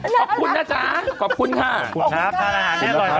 ขอบคุณนะจ๊ะขอบคุณค่ะคุณค่ะค่ะร้านอาหารนี้อร่อยครับพี่ขอบคุณค่ะ